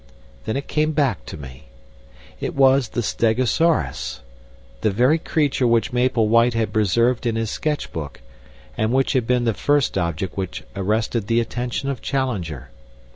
Then it came back, to me. It was the stegosaurus the very creature which Maple White had preserved in his sketch book, and which had been the first object which arrested the attention of Challenger!